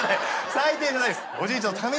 最低じゃないです。